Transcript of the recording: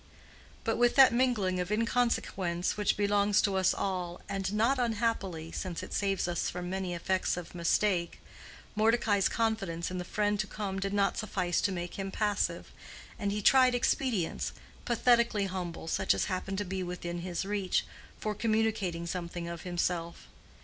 But with that mingling of inconsequence which belongs to us all, and not unhappily, since it saves us from many effects of mistake, Mordecai's confidence in the friend to come did not suffice to make him passive, and he tried expedients, pathetically humble, such as happened to be within his reach, for communicating something of himself.